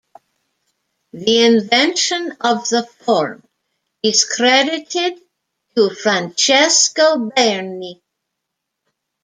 The invention of the form is credited to Francesco Berni.